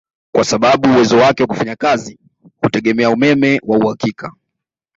Kwa sababu uwezo wake wa kufanya kazi hutegemea umeme wa uhakika